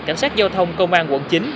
cảnh sát giao thông công an quận chín